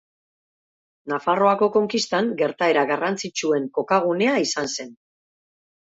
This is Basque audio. Nafarroako konkistan gertaera garrantzitsuen kokagunea izan zen.